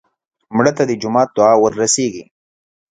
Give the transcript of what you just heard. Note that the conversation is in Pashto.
مړه ته د جومات دعا ورسېږي